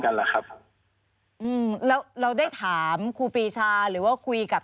เหรอครับอืมแล้วเราได้ถามครูปีชาหรือว่าคุยกับ